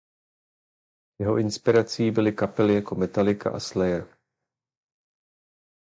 Jeho inspirací byly kapely jako Metallica a Slayer.